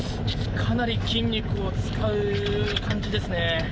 かなり筋肉を使う感じですね。